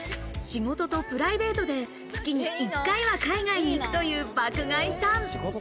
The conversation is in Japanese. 仕事とプライベートで、月に１回は海外に行くという爆買いさん。